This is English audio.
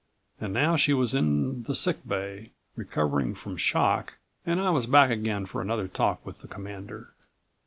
And now she was in the sick bay, recovering from shock, and I was back again for another talk with the Commander.